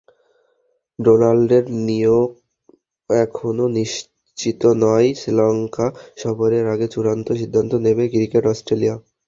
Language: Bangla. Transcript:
ডোনাল্ডের নিয়োগ এখনো নিশ্চিত নয়, শ্রীলঙ্কা সফরের আগে চূড়ান্ত সিদ্ধান্ত নেবে ক্রিকেট অস্ট্রেলিয়া।